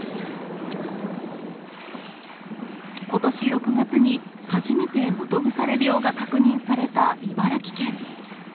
ことし６月に、初めて基腐病が確認された茨城県。